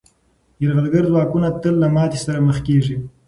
یرغلګر ځواکونه تل له ماتې سره مخ کېږي.